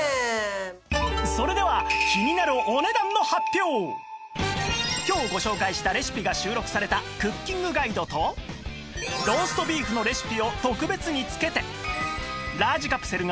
それでは今日ご紹介したレシピが収録されたクッキングガイドとローストビーフのレシピを特別に付けて